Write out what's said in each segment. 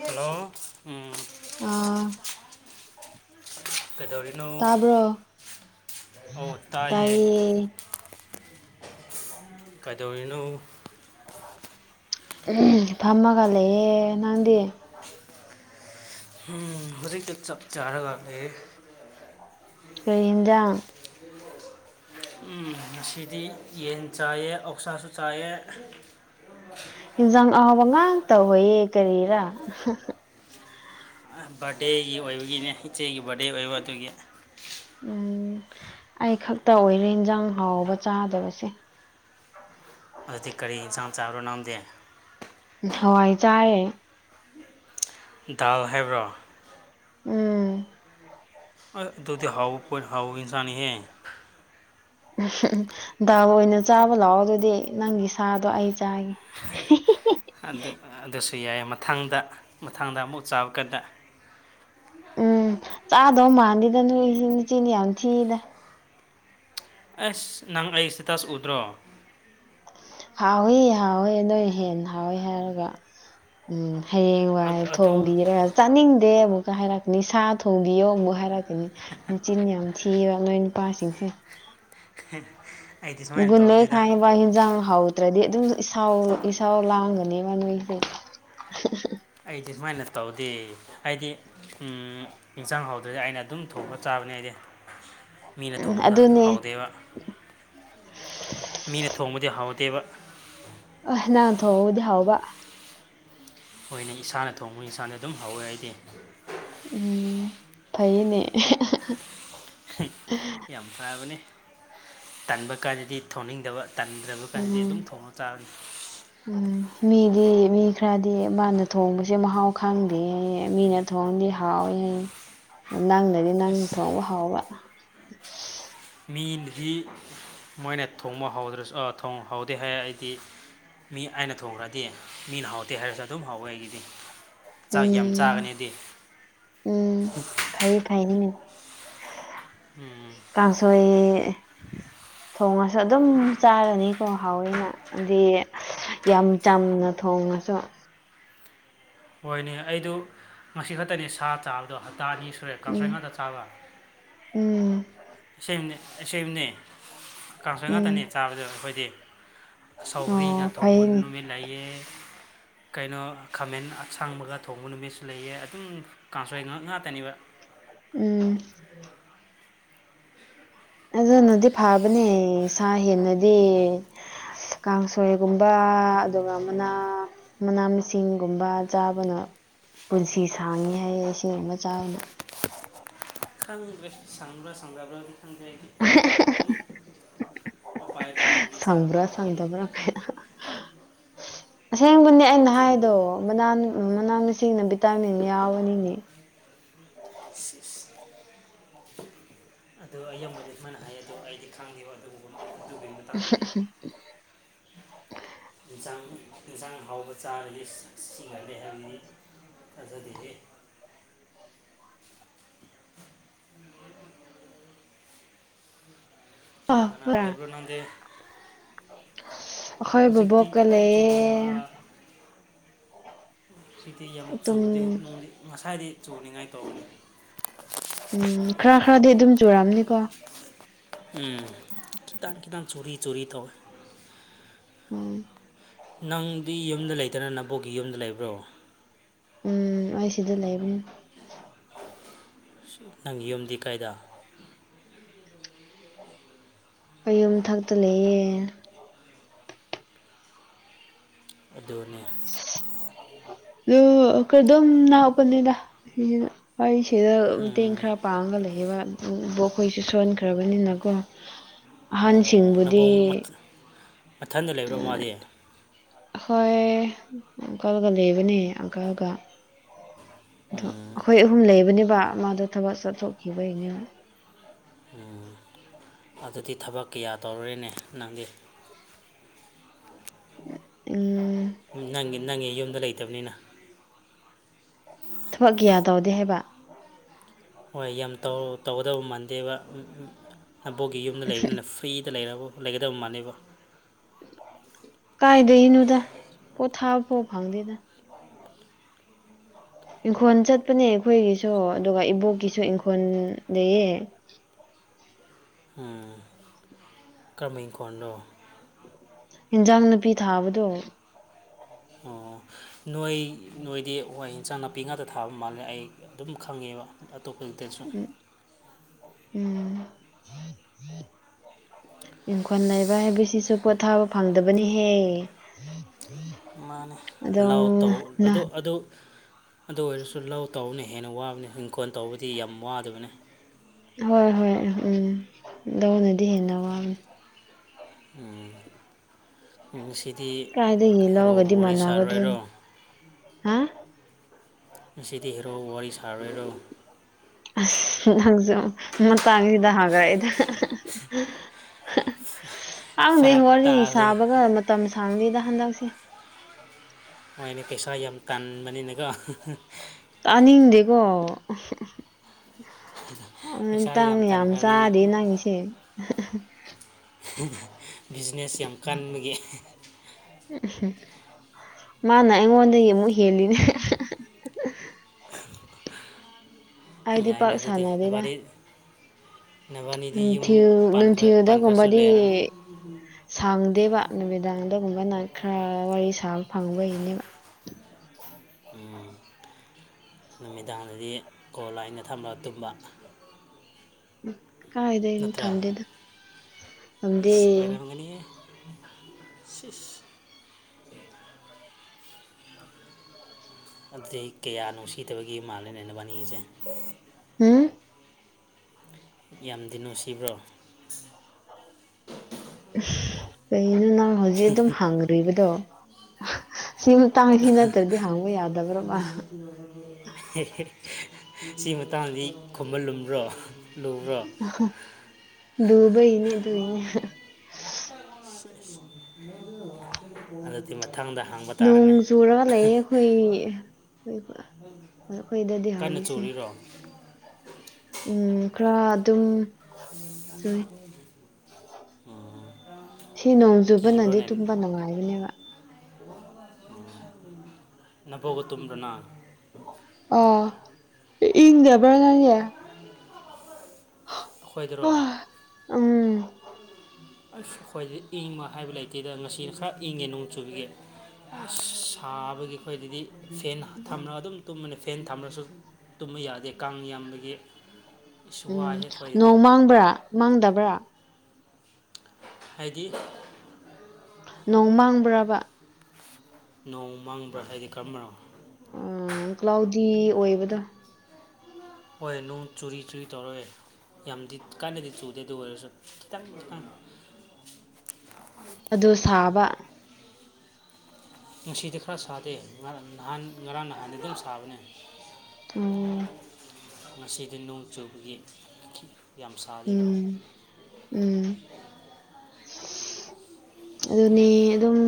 Hello ꯎꯝ ꯑꯥ ꯀꯩꯗꯧꯔꯤꯅꯣ ꯑꯣ ꯇꯥꯏꯌꯦ꯫ ꯀꯩꯗꯧꯔꯤꯅꯣ꯫ ꯎꯝ ꯐꯝꯃꯒ ꯂꯩꯌꯦ ꯅꯪꯗꯤ ꯎ ꯍꯧꯖꯤꯛꯇ ꯆꯞ ꯆꯥꯔ ꯂꯛꯑꯦ ꯀꯩ ꯏꯟꯖꯥꯡ [unintelligible] ꯎꯝ ꯉꯁꯤꯗꯤ ꯌꯦꯟ ꯆꯥꯏꯌꯦ ꯑꯣꯛꯁꯥꯁꯨ ꯆꯥꯏꯌꯦ ꯏꯟꯖꯥꯡ ꯑꯍꯥꯎꯕ ꯉꯥꯛꯇ ꯑꯣꯏꯌꯦ ꯀꯔꯤꯔꯥ ꯕ꯭ꯔꯠꯗꯦꯒꯤ ꯑꯣꯏꯕꯒꯤꯅꯦ ꯏꯆꯦꯒꯤ ꯕ꯭ꯔꯠꯗꯦ ꯑꯣꯏꯕ ꯑꯗꯨꯒꯤ ꯎꯝ ꯑꯩ ꯈꯛꯇ ꯑꯣꯏꯔꯦ ꯏꯟꯖꯥꯡ ꯍꯥꯎꯕ ꯆꯥꯗꯕꯁꯦ ꯑꯗꯨꯗꯤ ꯀꯔꯤ ꯏꯟꯁꯥꯡ ꯆꯥꯕꯔꯣ ꯅꯪꯗꯤ ꯍꯋꯥꯏ ꯆꯥꯏꯌ‌ꯦ꯫ ꯗꯥꯜ ꯍꯥꯏꯕ꯭ꯔꯣ꯫ ꯎꯝ ꯑꯗꯨꯗꯤ ꯍꯥꯎ ꯄꯣꯏ ꯍꯥꯎ ꯏꯟꯁꯥꯡ ꯅꯤꯍ‌ꯦ꯫ ꯗꯥꯜ ꯑꯣꯏꯅ ꯆꯥꯕ ꯂꯥꯛꯑꯣ ꯑꯗꯨꯗꯤ ꯅꯪꯒꯤ ꯁꯥꯗꯣ ꯑꯩ ꯆꯥꯒ꯫ ꯑꯗꯨ ꯑꯗꯨꯁꯨ ꯌꯥꯏ ꯃꯊꯪꯗ ꯃꯊꯪꯗ ꯑꯃꯨꯛ ꯆꯥꯕ ꯀꯥꯟꯗ꯫ ꯎꯝ ꯆꯥꯗꯧ ꯃꯥꯟꯗꯦꯗ ꯅꯣꯏꯁꯤ ꯃꯆꯤꯟ ꯌꯥꯝ ꯊꯤꯗ꯫ ꯑꯁ ꯅꯪ ꯑꯩ ꯏꯁꯇꯦꯇꯁ ꯎꯗ꯭ꯔꯣ꯫ ꯍꯥꯎꯋ‌ꯦ ꯍꯥꯎꯋꯦ ꯅꯣꯏ ꯍꯦꯟꯅ ꯍꯥꯎꯋꯦ ꯍꯥꯏꯔꯒ꯫ ꯎꯝ ꯍꯌꯦꯡꯋꯥꯏ ꯑꯗꯨ ꯊꯣꯡꯕꯤꯔ꯫ ꯇꯥꯅꯤꯡꯗꯦ ꯑꯃꯨꯛꯀ ꯍꯥꯏꯔꯛꯀꯅꯤ ꯁꯥ ꯊꯣꯡꯕꯤꯌꯣ ꯑꯃꯨꯛ ꯍꯥꯏꯔꯛꯀꯅꯤ ꯃꯦꯆꯤꯟ ꯌꯥꯝ꯫ ꯊꯤꯕ ꯅꯣꯏ ꯅꯨꯄꯥꯁꯤꯡꯁꯦ꯫ ꯍ‌ꯦ ꯒꯨꯟꯂꯣꯏ ꯈꯥꯏꯕ ꯏꯟꯖꯥꯡ ꯍꯧꯗ꯭ꯔꯗꯤ ꯑꯗꯨꯝ ꯏꯁꯧ ꯏꯁꯧ ꯂꯥꯡꯒꯅꯦꯕ ꯅꯣꯏꯁꯦ ꯫ ꯑꯩꯗꯤ ꯁꯨꯃꯥꯏꯅ ꯇꯧꯗꯦ ꯑꯩꯗꯤ ꯎꯝ ꯏꯟꯁꯥꯡ ꯍꯥꯎꯗ꯭ꯔꯖꯨ ꯑꯩꯅ ꯑꯗꯨꯝ ꯊꯣꯡꯉꯒ ꯆꯥꯕꯅꯦ ꯑꯩꯗꯤ꯫ ꯃꯤꯅ ꯎꯝ ꯊꯣꯡꯕꯗ ꯑꯗꯨꯅꯦ ꯍꯥꯎꯗꯦꯕ ꯃꯤꯅ ꯊꯣꯡꯕꯗꯤ ꯍꯥꯎꯗꯦꯕ꯫ ꯑ ꯅꯪ ꯊꯣꯛꯉꯗꯤ ꯍꯥꯎꯕ꯫ ꯍꫭꯏꯅꯦ ꯏꯁꯥꯅ ꯊꯣꯡꯕ ꯏꯟꯁꯥꯗ ꯑꯗꯨꯝ ꯍꯧꯋꯦ ꯑꯩꯗꯤ꯫ ꯎꯝ ꯐꯩꯌ‌ꯦꯅ‌ꯦ꯫ ꯌꯥꯝ ꯐꯕꯅꯤ ꯇꯟꯕ ꯀꯥꯟꯗꯗꯤ ꯊꯣꯡꯅꯤꯡꯗꯕ꯫ ꯇꯟꯗ꯭ꯔꯕ ꯀꯥꯟꯗꯗꯤ ꯑꯗꯨꯝ ꯎꯝ ꯊꯣꯡꯉ ꯆꯥꯔꯅꯤ꯫ ꯎꯝ ꯃꯤꯗꯤ ꯃꯤ ꯈꯔꯗꯤ ꯃꯥꯅ ꯊꯣꯡꯕꯁꯦ ꯃꯍꯥꯎ ꯈꯪꯗꯦꯌ‌ꯦ ꯃꯤꯅ꯫ ꯊꯣꯡꯗꯤ ꯍꯥꯎꯋꯤ ꯅꯪꯗꯗꯤ ꯅꯪ ꯑꯁ ꯊꯣꯡꯕ ꯍꯥꯎꯕ꯭ꯔ꯫ ꯃꯤꯅꯗꯤ ꯃꯣꯏꯅ ꯊꯣꯡꯕ ꯍꯥꯎꯗ꯭ꯔꯁꯨ ꯊꯣꯡꯕ ꯍꯥꯎꯗꯦ ꯍꯥꯏ ꯑꯩꯗꯤ꯫ ꯃꯤ ꯑꯩꯅ ꯊꯣꯡꯈ꯭ꯔꯗꯤ ꯃꯤꯅ ꯍꯥꯎꯇꯦ ꯍꯥꯏꯔꯁꯨ ꯑꯗꯨꯝ ꯍꯥꯎꯋꯦ ꯑꯩꯒꯤꯗꯤ꯫ ꯆꯥꯛ ꯌꯥꯝ ꯎꯝ ꯆꯥꯒꯅꯤꯗꯤ꯫ ꯎꯝ ꯐꯩꯌꯦ ꯐꯩꯌꯦ ꯎꯝ꯫ ꯀꯥꯡꯁꯣꯏ ꯊꯣꯡꯉꯁꯨ ꯑꯗꯨꯝ ꯆꯥꯔꯅꯤꯀꯣ ꯍꯥꯎꯋ‌ꯦꯅ꯫ ꯑꯗꯤ ꯌꯥꯝ ꯆꯝꯅ ꯊꯣꯡꯉꯁꯨ꯫ ꯍꯣꯏꯅꯦ ꯑꯩꯗꯨ ꯉꯁꯤ ꯈꯛꯇꯅꯦ ꯁꯥ ꯆꯥꯕꯗꯣ ꯍꯞꯇꯥ ꯑꯅꯤ ꯁꯨꯔꯦ ꯀꯥꯡꯁꯣꯏ ꯎꯝ ꯉꯥꯛꯇ ꯆꯥꯕ꯫ ꯎꯝ꯫ ꯑꯁꯦꯝꯅꯦ ꯑꯁꯦꯡꯕꯅꯦ ꯀꯥꯡꯁꯣꯏ ꯎꯝ ꯉꯥꯛꯇꯅꯦ ꯆꯥꯕꯗꯣ ꯑꯩꯈꯣꯏꯗꯤ꯫ ꯁꯥꯎꯒ꯭ꯔꯤꯒ ꯑꯣ ꯊꯣꯡꯕ ꯐꯩꯅꯦ ꯅꯨꯃꯤꯠ ꯂꯩꯌꯦ꯫ ꯀꯩꯅꯣ ꯈꯥꯃꯦꯟ ꯑꯁꯥꯡꯕꯒ ꯊꯣꯡꯕ ꯅꯨꯃꯤꯠꯁꯨ ꯂꯩꯌꯦ ꯑꯗꯨꯝ ꯀꯥꯡꯁꯨ ꯉꯥꯏꯍꯥꯛ ꯉꯥꯛꯇꯅꯦꯕ ꯎꯝ꯫ ꯑꯗꯨꯅꯗꯤ ꯐꯥꯕꯅꯦ ꯁꯥ ꯍꯦꯟꯅꯗꯤ ꯀꯥꯡꯁꯣꯏꯒꯨꯝꯕ ꯑꯗꯨꯒ ꯑꯃꯅ ꯃꯅꯥ ꯃꯁꯤꯡꯒꯨꯝꯕ ꯆꯥꯕꯅ ꯄꯨꯟꯁꯤ ꯁꯥꯡꯉꯤ ꯍꯥꯏꯌꯦ ꯑꯁꯤꯒꯨꯝꯕ ꯆꯥꯕꯅ꯫ ꯈꯪꯒ꯭ꯔꯦ ꯁꯪꯕꯥ ꯁꯪꯗꯕ꯭ꯔ ꯑꯗꯨ ꯈꯪꯖ ꯑꯗꯨꯝ꯫ ꯎꯄꯥꯏ ꯂꯩꯇꯕꯒꯤ꯫ ꯆꯥꯕ ꯁꯪꯕ꯭ꯔꯥ ꯋꯥꯅꯤ ꯑꯩꯈꯣꯏꯗꯤ ꯁꯪꯗꯕ꯭ꯔꯥ ꯑꯁꯦꯡꯕꯅꯤ ꯑꯗꯨ ꯑꯩꯅ ꯍꯥꯏꯗꯣ꯫ ꯆꯨꯝꯗ꯭ꯔꯣ ꯃꯅꯥ ꯃꯅꯥ ꯃꯁꯤꯡꯅ ꯚꯤꯇꯥꯃꯤꯟ ꯌꯥꯎꯔꯅꯤ꯫ [unintelligible] ꯑꯗꯨ ꯑꯌꯥꯝꯕꯗꯤ ꯑꯩꯈꯣꯏꯅ ꯍꯥꯏ ꯑ ꯑꯗꯨ ꯑꯩꯗꯤ ꯈꯪꯗꯤꯕ ꯑꯗꯨꯒꯨꯝꯕ꯫ ꯑꯗꯨꯒꯤ ꯃꯇꯥꯡꯗꯗꯤ [unintelligible] ꯌꯦꯟꯁꯥꯡ ꯌꯦꯟꯁꯥꯡ ꯍꯥꯎꯕ ꯆꯥꯔꯗꯤ ꯁꯤꯈꯂꯦ ꯍꯥꯏꯕꯗꯤ ꯇꯥꯖꯗꯍꯦ꯫ [inaudible] ꯀꯅꯥ ꯀꯅꯥꯒ ꯑ ꯂꯩꯕꯔ ꯅꯪꯗꯤ꯫ ꯑꯩꯈꯣꯏ ꯍꯧꯖꯤꯛꯇꯤ ꯕꯕꯣꯛꯀ ꯈꯥꯔ ꯆꯣꯏꯔ ꯑ ꯂꯩꯌꯦ ꯉꯁꯤꯗꯤ ꯌꯥꯝ ꯑꯗꯨꯝ ꯆꯨꯗꯦ ꯅꯣꯡꯗꯤ ꯉꯁꯥꯏꯗꯤ ꯆꯨꯅꯤꯉꯥꯏ ꯇꯧꯕꯅꯤ꯫ ꯎꯝ ꯈꯔ ꯈꯔꯗꯤ ꯑꯗꯨꯝ ꯆꯨꯔꯝꯅꯤꯀꯣ꯫ ꯎꯝ ꯈꯤꯇꯪ ꯈꯤꯇꯪ ꯆꯨꯔꯤ ꯆꯨꯔꯤ ꯇꯧꯋꯦ꯫ ꯎꯝ꯫ ꯅꯪꯗꯤ ꯌꯨꯝꯗ ꯂꯩꯇꯅ ꯅꯕꯣꯛꯀꯤ ꯌꯨꯝꯗ ꯂꯩꯕ꯭ꯔꯣ꯫ ꯎꯝ ꯑꯩ ꯁꯤꯗ ꯂꯩꯕꯅꯦ꯫ ꯅꯪꯒꯤ ꯌꯨꯝꯗꯤ ꯀꯥꯏꯗ꯫ ꯑꯩ ꯌꯨꯝ ꯊꯛꯇ ꯂꯩꯌꯦ꯫ ꯑꯗꯨꯅꯤ [unintelligible] ꯀꯗꯝ ꯅꯥꯄꯅꯤꯗ꯫ ꯑꯩ ꯁꯤꯗ ꯃꯇꯦꯡ ꯎꯝ ꯈꯔ ꯄꯥꯡꯉꯒ ꯂꯩꯌꯦꯕ ꯏꯕꯣꯛ ꯈꯣꯏꯁꯨ ꯁꯣꯟꯈ꯭ꯔꯕꯅꯤꯅꯀꯣ꯫ ꯑꯣ ꯑꯍꯟꯁꯤꯡꯕꯨꯗꯤ ꯅꯕꯣꯛ ꯃꯊ- ꯃꯊꯟꯗ ꯂꯩꯕ꯭ꯔꯣ ꯃꯥꯗꯤ꯫ ꯍꯣꯏ ꯑꯪꯀꯜꯒ ꯂꯩꯕꯅꯦ ꯑꯪꯀꯜꯒ꯫ ꯑꯗꯣ ꯎꯝ ꯑꯩꯈꯣꯏ ꯑꯍꯨꯝ ꯂꯩꯕꯅꯦꯕ ꯃꯥꯗꯣ ꯊꯕꯛ ꯆꯠꯊꯣꯛꯈꯤꯕꯒꯤꯅꯦ꯫ ꯎꯝ꯫ ꯑꯗꯨꯗꯤ ꯊꯕꯛ ꯀꯌꯥ ꯇꯧꯔꯦꯅꯦ ꯅꯪꯗꯤ꯫ ꯎꯝ꯫ ꯅꯪꯒꯤ ꯅꯪꯒꯤ ꯌꯨꯝꯗ ꯂꯩꯇꯕꯅꯤꯅ꯫ ꯊꯕꯛ ꯀꯌꯥ ꯇꯧꯗꯦ ꯍꯥꯏꯕ ꯍꯣꯏ ꯌꯥꯝ ꯇꯧ ꯇꯧꯒꯗꯕ ꯃꯥꯟꯗꯦꯕ ꯅꯕꯣꯛꯒꯤ ꯌꯨꯝꯗ ꯂꯩꯕꯅꯤꯅ ꯐ꯭ꯔꯤꯗ ꯂꯩꯔꯕꯣ ꯂꯩꯒꯗꯕ ꯃꯥꯟꯗꯦꯕ꯫ ꯀꯥꯏꯗꯩꯅꯣꯗ ꯄꯣꯊꯥ ꯐꯥꯎ ꯐꯪꯗꯦꯗ꯫ ꯏꯪꯈꯣꯜ ꯆꯠꯄꯅꯦ ꯑꯩꯈꯣꯏꯒꯤꯁꯨ ꯑꯗꯨꯒ ꯏꯕꯣꯛꯀꯤꯁꯨ ꯏꯪꯈꯣꯜ ꯂꯩꯌꯦ꯫ ꯎꯝ꯫ ꯀꯔꯝꯕ ꯏꯪꯈꯣꯟꯅꯣ꯫ ꯌꯦꯟꯖꯥꯡ ꯅꯥꯄꯤ ꯊꯥꯕꯗꯣ ꯑꯣ ꯅꯣꯏ ꯅꯣꯏꯗꯤ ꯍꯣꯏ ꯏꯟꯁꯥꯡ ꯅꯥꯄꯤ ꯉꯥꯛꯇ ꯊꯥꯕ ꯃꯥꯜꯂꯦ ꯑꯩ ꯑꯗꯨꯝ ꯈꯪꯉꯦꯕ꯫ ꯑꯇꯣꯞꯄꯇꯁꯨ꯫ ꯎꯝ ꯎꯝ꯫ ꯏꯪꯈꯣꯟ ꯂꯩꯕ ꯍꯥꯏꯕꯁꯤꯁꯨ ꯄꯣꯊꯥꯕ ꯐꯪꯗꯕꯅꯤꯍꯦ꯫ ꯃꯥꯅꯦ ꯑꯗꯨꯝ ꯂꯥꯎ ꯇꯧ ꯅ ꯑꯗꯨ ꯑꯗꯨ ꯑꯗꯨ ꯑꯣꯏꯔꯁꯨ ꯂꯧ ꯇꯧꯕꯅ ꯍꯦꯟꯅ ꯋꯥꯕꯅꯤ ꯍꯤꯡꯈꯣꯜ ꯇꯧꯕꯗꯤ ꯌꯥꯝ ꯋꯥꯗꯕꯅꯤ ꯍꯣꯏ ꯍꯣꯏ ꯎꯝ ꯂꯧꯅꯗꯤ ꯍꯦꯟꯅ ꯋꯥꯕꯅꯦ ꯎꯝ ꯉꯁꯤꯗꯤ ꯀꯥꯏꯗꯒꯤ ꯍꯦꯔꯣꯕꯄ ꯂꯧꯒꯗꯤ ꯋꯥꯔꯤ ꯁꯥꯔꯣꯏ ꯍꯥꯏꯔꯣ ꯃꯥꯟꯅꯒꯗ꯭ꯔꯣꯅꯦ ꯍꯥ ꯉꯁꯤꯗꯤ ꯍꯦꯔꯣ ꯋꯥꯔꯤ ꯁꯥꯔꯣꯏꯔꯣ ꯑꯁ ꯅꯪꯁꯨ ꯃꯇꯥꯡꯁꯤꯗ ꯍꯪꯉꯛꯑꯦꯗ [unintelligible] ꯈꯪꯗꯦ ꯐꯔꯛ ꯋꯥꯔꯤ ꯇꯥꯕꯅꯤ ꯁꯥꯕꯒ ꯃꯇꯝ ꯁꯥꯡꯗꯦꯗ ꯍꯟꯗꯛꯁꯦ꯫ ꯍꯣꯏꯅꯦ ꯄꯩꯁꯥ ꯌꯥꯝ ꯇꯥꯟꯕꯅꯦꯅꯀꯣ꯫ ꯇꯥꯅꯤꯡꯗꯦꯀꯣ [unintelligible] ꯄꯩꯁꯥ ꯃꯇꯥꯡ ꯌꯥꯝ ꯇꯥꯟꯈ꯭ꯔꯕꯅꯤꯅ ꯆꯥꯗꯦ ꯅꯪꯒꯤꯁꯦ [unintelligible] ꯕꯤꯖꯤꯅꯦꯁ ꯌꯥꯝ ꯀꯟꯕꯒꯤ꯫ ꯎꯝ ꯃꯥꯅ ꯑꯩꯉꯣꯟꯗꯒꯤ ꯑꯃꯨꯛ ꯍꯦꯜꯂꯤꯅꯦ [unintelligible] ꯑꯩꯗꯤ ꯌꯥꯏꯅꯦ ꯄꯥꯛ ꯑꯗꯨꯗꯤ ꯁꯥꯟꯅꯗꯦꯗ꯫ ꯅꯕꯥꯅꯤ ꯅꯕꯥꯅꯤꯗꯤ ꯌꯨꯝ ꯅꯨꯡꯊꯤꯜ ꯄꯥꯟꯈ꯭ꯔꯁꯨ ꯅꯨꯡꯊꯤꯜꯗꯒꯨꯝꯕꯗꯤ ꯂꯩꯔꯅꯤ ꯁꯥꯡꯗꯦꯕ ꯅꯨꯃꯤꯗꯥꯡꯗꯒꯨꯝꯕꯅ ꯈꯔ ꯋꯥꯔꯤ ꯁꯥꯕ ꯐꯪꯕ ꯍꯦꯜꯂꯦꯕ ꯎꯝ ꯅꯨꯃꯤꯗꯥꯡꯗꯗꯤ ꯀꯣꯜ ꯑꯥꯏꯟꯗ ꯊꯝꯃ ꯇꯨꯝꯕ ꯎꯝ ꯀꯥꯏꯗꯩꯅꯣ ꯅꯠꯇ꯭ꯔꯥ ꯊꯝꯗꯦꯗ ꯊꯝꯗꯦ [unintelligible] ꯁꯤꯁ ꯑꯗꯨ ꯀꯌꯥ ꯅꯨꯡꯁꯤꯗꯕꯒꯤ ꯃꯥꯜꯂꯤꯅꯦ ꯅꯕꯥꯅꯤꯁꯦ [unintelligible] ꯌꯥꯝꯗꯤ ꯅꯨꯡꯁꯤꯕ꯭ꯔꯣ ꯀꯩꯅꯣ ꯅꯪ ꯍꯧꯖꯤꯛ ꯑꯗꯨꯝ ꯍꯪꯈ꯭ꯔꯤꯕꯗꯣ ꯁꯤꯃꯇꯥꯡ ꯁꯤ ꯅꯠꯇ꯭ꯔꯗꯤ ꯍꯥꯡꯕ ꯌꯥꯗꯕ꯭ꯔꯕ [unintelligible] ꯁꯤꯒꯤ ꯃꯇꯥꯡꯗꯤ ꯈꯕꯟ ꯂꯨꯝꯕ꯭ꯔꯣ ꯂꯨꯕ꯭ꯔꯣ ꯌꯨꯕꯩꯅꯦ ꯑꯗꯨꯏꯅꯦ [unintelligible] [unintelligible] ꯑꯗꯨꯗꯤ ꯃꯊꯪꯗ ꯍꯥꯡꯕ ꯅꯣꯡ ꯇꯥꯔꯦꯅꯦ ꯆꯨꯔꯒ ꯂꯩꯌꯦ ꯑꯩꯈꯣꯏ ꯑꯩꯈꯣꯏꯗꯗꯤ ꯀꯟꯅ ꯍꯧꯖꯤꯛꯁꯦ ꯆꯨꯔꯤꯔꯣ ꯎꯝ ꯈꯔ ꯑꯗꯨꯝ ꯆꯨꯏ [unintelligible] ꯁꯤ ꯅꯣꯡ ꯆꯨꯕꯅꯗꯤ ꯀꯤꯕ꯭ꯔꯣꯅꯦ ꯇꯨꯝꯕ ꯅꯨꯡꯉꯥꯏꯕꯅꯦꯕ [unintelligible] ꯑ ꯏꯪꯗꯕꯔꯦ ꯑꯩꯈꯣꯏꯗꯔꯣ ꯎꯝ ꯑꯁ ꯑꯩ꯭ꯋꯏꯗ ꯏꯪꯕ ꯍꯥꯏꯕ ꯂꯩꯇꯦꯗ ꯉꯁꯤꯅ ꯈꯔ ꯏꯪꯉꯦ ꯅꯣꯡ ꯆꯨꯕꯤꯒꯦ ꯁꯥꯕꯒꯤ ꯑꯩꯈꯣꯏꯗꯗꯤ ꯐꯦꯟ ꯊꯝꯂꯒ ꯑꯗꯨꯝ ꯇꯨꯝꯕꯅꯦ ꯐꯦꯟ ꯊꯥꯃꯁꯨ ꯇꯨꯝꯕ ꯌꯥꯗꯦ ꯀꯥꯡ ꯌꯥꯝꯕꯒꯤ ꯑꯁ ꯎꯝ ꯋꯥꯏꯍꯦ ꯑꯩꯈꯣꯏꯗꯗꯤ ꯅꯣꯡ ꯃꯥꯡꯕ꯭ꯔꯥ ꯃꯥꯡꯗꯕ꯭ꯔꯥ ꯍꯥꯏꯗꯤ ꯅꯣꯡ ꯃꯥꯡꯕ꯭ꯔꯕ ꯅꯣꯡ ꯃꯥꯡꯕ꯭ꯔꯥ ꯍꯥꯏꯗꯤ ꯀꯔꯝꯕꯅꯣ ꯑ ꯀ꯭ꯂꯥꯎꯗꯤ ꯑꯣꯏꯕꯗ ꯍꯣꯏ ꯅꯨꯡ ꯆꯨꯔꯤ ꯆꯨꯔꯤ ꯇꯧꯔꯦ ꯌꯥꯝꯗꯤ ꯀꯥꯟꯅꯗꯤ ꯆꯨꯗꯦ ꯑꯗꯨ ꯑꯣꯏꯔꯁꯨ ꯈꯤꯇꯪ ꯈꯤꯇꯪ ꯑꯗꯨ ꯁꯥꯕ ꯉꯁꯤꯗꯤ ꯈꯔ ꯁꯥꯗꯦ ꯅꯍꯥꯟ ꯉꯔꯥꯡ ꯅꯍꯥꯟꯗꯤ ꯑꯗꯨꯝ ꯁꯥꯕꯅꯦ ꯎꯝ ꯉꯁꯤꯗꯤ ꯅꯣꯡ ꯆꯨꯕꯒꯤ ꯌꯥꯝ ꯁꯥꯔꯤꯕ ꯎꯝ ꯎꯝ ꯑꯗꯨꯅꯦ ꯑꯗꯨꯝ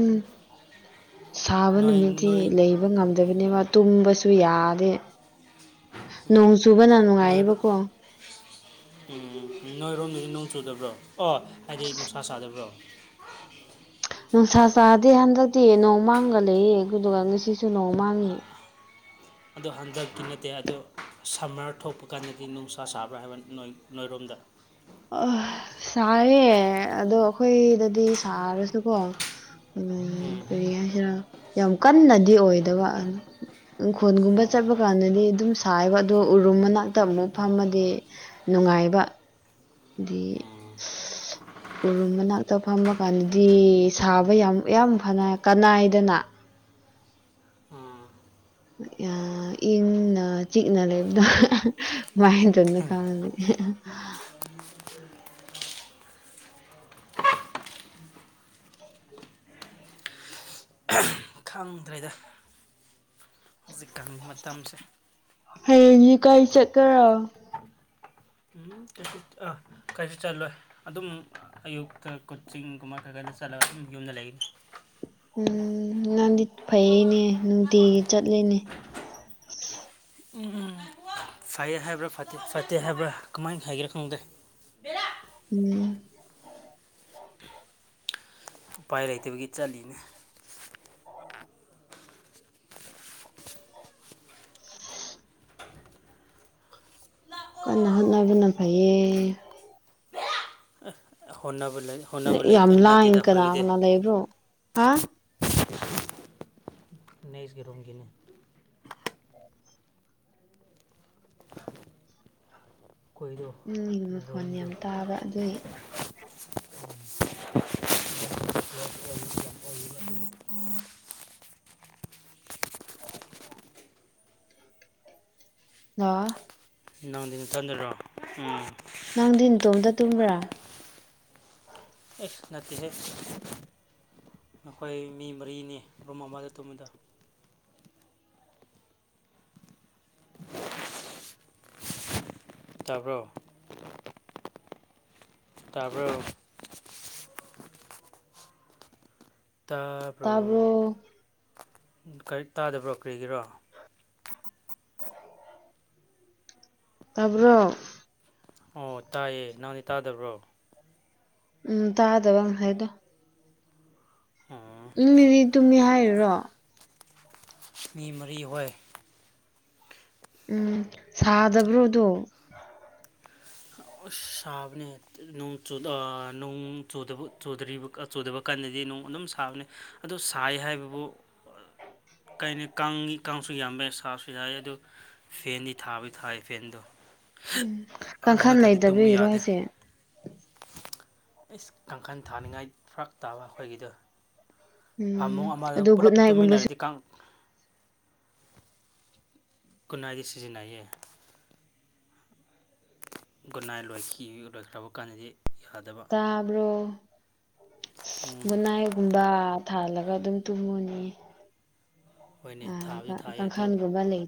ꯁꯥꯕ ꯅꯣꯏ ꯅꯨꯃꯤꯠꯇꯤ ꯅꯣꯏ ꯂꯩꯕ ꯉꯝꯗꯕꯅꯦꯕ ꯇꯨꯝꯕꯁꯨ ꯌꯥꯗꯦ ꯅꯣꯡ ꯆꯨꯕꯅ ꯅꯣꯏ ꯅꯨꯡꯉꯥꯏꯌꯦꯕꯀꯣ ꯎꯝ ꯅꯣꯏꯔꯣꯝꯗꯗꯤ ꯅꯣꯡ ꯆꯨꯗꯕ꯭ꯔꯣ ꯑꯣ ꯍꯥꯏꯗꯤ ꯅꯨꯡꯁꯥ ꯆꯥꯗꯕ꯭ꯔꯣ ꯅꯨꯡꯁꯥ ꯆꯥꯗꯦ ꯍꯟꯗꯛꯇꯤ ꯅꯣꯡꯃꯥꯡꯒ ꯂꯩꯌꯦ ꯑꯗꯨꯗꯨꯒ ꯉꯁꯤꯁꯨ ꯅꯣꯡ ꯃꯥꯡꯉꯤ ꯑꯗꯣ ꯍꯟꯗꯛꯇꯤ ꯅꯠꯇꯦ ꯑꯗꯣ ꯁꯝꯃꯔ ꯊꯣꯛꯄ ꯀꯥꯟꯗꯗꯤ ꯅꯨꯡꯁꯥ ꯁꯥꯕ꯭ꯔꯥ ꯍꯥꯏꯕ ꯅ ꯅꯣꯏꯔꯣꯝꯗ ꯑ ꯁꯥꯌꯦ ꯑꯗꯣ ꯑꯩꯈꯣꯏꯗꯗꯤ ꯁꯥꯔꯁꯨꯀꯣ ꯎꯝ [unintelligible] ꯌꯥꯝ ꯀꯟꯅꯗꯤ ꯑꯣꯏꯗꯕ ꯑꯗꯨ ꯎꯪꯈꯣꯜꯒꯨꯝꯕ ꯑꯣ ꯆꯠꯄ ꯀꯥꯟꯗꯗꯤ ꯑꯗꯨꯝ ꯁꯥꯏꯕ ꯑꯗꯣ ꯎꯔꯨꯝ ꯃꯅꯥꯛꯇ ꯑꯃꯨꯛ ꯑꯣ ꯐꯝꯃꯗꯤ ꯅꯨꯡꯉꯥꯏꯕ ꯒꯤ [unintelligible] ꯎꯔꯨꯝ ꯃꯅꯥꯛꯇ ꯐꯝꯕ ꯀꯥꯟꯗꯗꯤ ꯁꯥꯕ ꯌꯥꯝ ꯌꯥꯝ ꯐꯅ ꯀꯅꯥꯏꯗꯅ ꯎꯝ ꯏꯪꯅ ꯆꯤꯛꯅ ꯂꯩꯕꯗꯣ [unintelligible] [inaudible] ꯈꯪꯗ꯭ꯔꯦꯗ ꯍꯧꯖꯤꯛꯀꯥꯟ ꯃꯇꯝꯁꯦ ꯍꯌꯦꯡꯒꯤ ꯀꯥꯏ ꯆꯠꯀꯥꯔꯥ ꯎꯝ ꯀꯩꯁꯨ ꯑꯥ ꯀꯩꯁꯨ ꯆꯜꯂꯣꯏ ꯑꯗꯨꯝ ꯑꯌꯨꯛꯇ ꯀꯣꯠꯆꯤꯡꯒꯨꯝꯕ ꯈꯔ ꯈꯔꯗꯤ ꯆꯠꯂꯒ ꯑꯗꯨꯝ ꯌꯨꯝꯗ ꯂꯩꯒꯅꯤ ꯎꯝ ꯅꯪꯗꯤ ꯐꯩꯌꯦꯅꯦ ꯅꯨꯡꯇꯤꯒꯤ ꯆꯠꯂꯤꯅꯦ ꯎꯝ ꯎꯝ ꯐꯩꯌꯦ ꯍꯥꯏꯕ꯭ꯔꯥ ꯐꯠꯇꯦ ꯐꯠꯇꯦ ꯍꯥꯏꯕ꯭ꯔꯥ ꯀꯃꯥꯏꯅ ꯍꯥꯏꯒꯦꯔꯥ ꯈꯪꯗꯦ ꯕꯦꯂꯥ ꯎꯝ ꯎꯄꯥꯏ ꯂꯩꯇꯕꯒꯤ ꯆꯠꯂꯤꯅꯦ ꯀꯟꯅ ꯍꯣꯠꯅꯕꯅ ꯐꯩꯌꯦ ꯍꯣꯅꯕ ꯂꯩ ꯍꯣꯠꯅꯕ ꯂꯩ ꯅꯠꯇꯦꯗ ꯑꯩꯈꯣꯏꯒꯤꯗꯤ [unintelligible] ꯂꯩꯕ꯭ꯔꯣ ꯍꯥ ꯅꯩꯖ ꯔꯣꯡꯒꯤꯅ ꯀꯣꯏꯗꯣ ꯎꯝ ꯃꯈꯣꯟ ꯔꯣꯝꯗꯣ ꯌꯥꯝ ꯈꯔ ꯇꯥꯕ ꯑꯗꯨꯏ ꯑ ꯅꯪꯗꯤ ꯅꯊꯟꯗꯔꯣ ꯎꯝ ꯅꯪꯗꯤ ꯅꯇꯣꯝꯗ ꯇꯨꯝꯕ꯭ꯔꯥ ꯑꯦꯁ ꯅꯠꯇꯦꯁꯦ ꯅꯈꯣꯏ ꯃꯤ ꯃꯔꯤꯅꯤ ꯔꯨꯝ ꯑꯃꯗ ꯇꯨꯝꯃꯤꯗꯣ ꯇꯥꯕ꯭ꯔꯣ ꯇꯥꯕ꯭ꯔꯣ ꯇꯥꯕ꯭ꯔꯣ ꯇꯥꯕ꯭ꯔꯣ ꯀꯔꯤ ꯇꯥꯗꯕ꯭ꯔꯣ ꯀꯔꯤꯒꯤꯔꯣ ꯇꯥꯕ꯭ꯔꯣ ꯑꯣ ꯇꯥꯏꯌꯦ ꯅꯍꯪꯗꯤ ꯇꯥꯗꯕ꯭ꯔꯣ ꯎꯝ ꯇꯥꯗꯕ ꯉꯁꯥꯏꯗꯣ ꯑꯣ ꯎꯝ ꯃꯤꯗꯤ ꯇꯨꯝꯃꯦ ꯍꯥꯏꯔꯤꯔꯣ ꯃꯤ ꯃꯔꯤ ꯍꯣꯏ ꯎꯝ ꯁꯥꯗꯕ꯭ꯔꯣ ꯑꯗꯣ ꯎꯁ ꯁꯥꯕꯅꯦ ꯅꯣꯡ ꯆꯨ ꯅꯣꯡ ꯆꯨꯗꯕ ꯆꯨꯗꯔꯤꯕ ꯆꯨꯗꯕ ꯀꯥꯟꯗꯗꯤ ꯅꯣꯡ ꯑꯗꯨꯝ ꯁꯥꯕꯅꯦ ꯑꯗꯣ ꯁꯥꯏ ꯍꯥꯏꯕꯕꯨ [inaudible] ꯀꯥꯏꯅꯤ ꯀꯥꯡꯉꯤ ꯀꯥꯡꯁꯨ ꯌꯥꯝꯕ ꯁꯥꯁꯨ ꯁꯥꯢ ꯑꯗꯨ ꯐꯦꯟꯗꯤ ꯊꯥꯕꯩ ꯊꯥꯏ ꯐꯦꯟꯗꯣ ꯎꯝ ꯑꯗꯨ ꯀꯥꯡꯈꯜ ꯂꯩꯇꯕꯩꯔꯣ ꯍꯥꯏꯁꯦ ꯑꯁ ꯀꯥꯡꯈꯜ ꯊꯥꯅꯤꯡꯉꯥꯏ ꯐꯔꯛ ꯇꯥꯕ ꯑꯩꯈꯣꯏꯒꯤꯗꯣ ꯐꯃꯨꯡ ꯎꯝ ꯑꯃꯗ ꯑꯗꯨ ꯄꯨꯂꯞ ꯒꯨꯗ ꯅꯥꯏꯠꯒꯨꯝꯕꯁꯨ ꯇꯨꯃꯤꯟꯅꯔꯗꯤ ꯀꯥꯡ ꯒꯨꯠꯅꯥꯏꯗꯤ ꯁꯤꯖꯤꯟꯅꯩꯌꯦ ꯒꯨꯠꯅꯥꯏꯠ ꯂꯣꯏꯈꯤ ꯂꯣꯏꯈ꯭ꯔꯕ ꯀꯥꯟꯗꯗꯤ ꯌꯥꯗꯕ ꯊꯥꯕ꯭ꯔꯣ ꯎꯝ ꯒꯨꯠꯅꯥꯏꯠ ꯒꯨꯝꯕ ꯊꯥꯜꯂꯒ ꯑꯗꯨꯝ ꯇꯨꯝꯉꯨꯅꯤ ꯍꯣꯏꯅꯦ ꯊꯥꯕꯨꯗꯤ ꯉꯥꯜꯂꯒ ꯊꯥꯏ ꯑꯗꯨ ꯀꯥꯡꯈꯜꯒꯨꯝꯕ ꯂꯩ